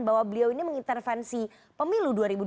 bahwa beliau ini mengintervensi pemilu dua ribu dua puluh